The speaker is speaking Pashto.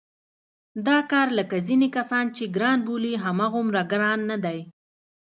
دا کار لکه ځینې کسان چې ګران بولي هغومره ګران نه دی.